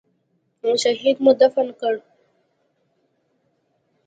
شهيد مو دفن کړ.